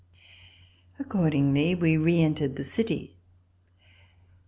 Accordingly, we reentered the city.